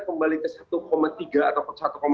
kembali ke satu tiga atau